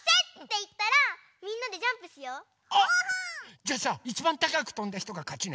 じゃあさいちばんたかくとんだひとがかちね。